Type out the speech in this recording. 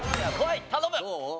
頼む！